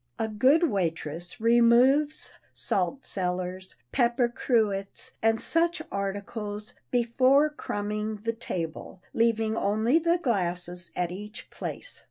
A good waitress removes salt cellars, pepper cruets and such articles, before crumbing the table, leaving only the glasses at each place.